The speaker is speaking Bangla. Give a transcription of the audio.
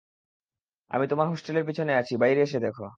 আমি তোমার হোস্টেলের পিছনে আছি বাইরে এসে দেখো।